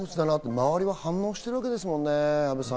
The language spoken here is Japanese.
周りは反応してるわけですもんね、阿部さん。